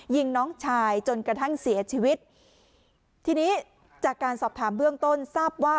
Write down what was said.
ยิงน้องชายจนกระทั่งเสียชีวิตทีนี้จากการสอบถามเบื้องต้นทราบว่า